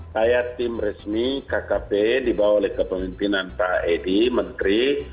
saya tim resmi kkp dibawa oleh kepemimpinan pak edi menteri